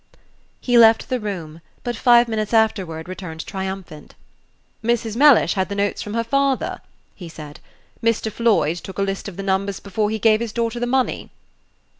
He left the room, but five minutes afterward returned triumphant. "Mrs. Mellish had the notes from her father," he said. "Mr. Floyd took a list of the numbers before he gave his daughter the money."